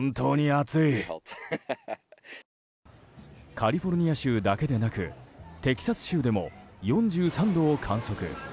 カリフォルニア州だけでなくテキサス州でも４３度を観測。